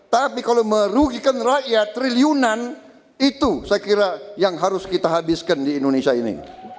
tapi kalau merugikan rakyat triliunan itu saya kira yang harus kita habiskan di indonesia ini